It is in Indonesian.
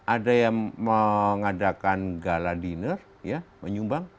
ada yang mengadakan gala diner ya menyumbang